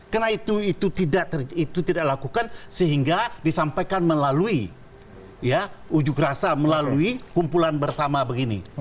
karena itu tidak lakukan sehingga disampaikan melalui ya ujug rasa melalui kumpulan bersama begini